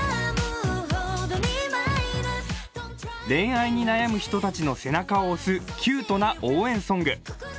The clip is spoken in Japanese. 恋愛に悩む人たちの背中を押すキュートな応援ソング。